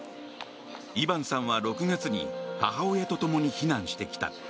イバンさんは６月に母親とともに避難してきた。